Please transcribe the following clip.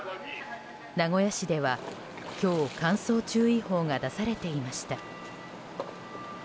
名古屋市では今日乾燥注意報が出されていました。